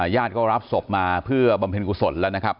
ญาติก็รับศพมาเพื่อบำเพ็ญกุศลแล้วนะครับ